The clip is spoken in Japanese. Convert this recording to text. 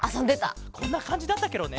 こんなかんじだったケロね。